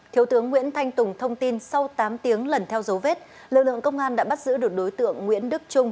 thiếu tướng nguyễn thanh tùng thông tin sau tám tiếng lần theo dấu vết lực lượng công an đã bắt giữ được đối tượng nguyễn đức trung